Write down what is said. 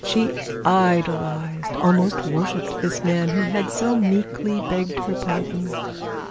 She idolised, almost worshipped this man who had so meekly begged her pardon.